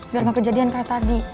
biar mau kejadian kayak tadi